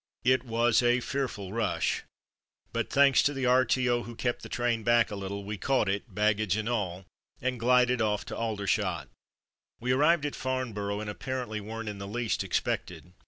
It was a fearful rush, but thanks to the R.T.O., who kept the train back a little, we caught it, baggage and all, and glided off to Aldershot. The Old Guard n We arrived at Farnborough and appar ently weren't in the least expected.